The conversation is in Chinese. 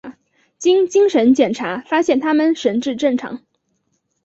经精神检查发现他们神智正常。